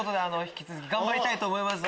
引き続き頑張りたいと思います